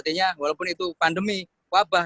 artinya walaupun itu pandemi wabah